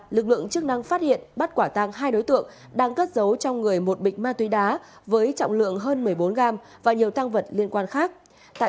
được biết cường và an là hai đối tượng nghiện ma túy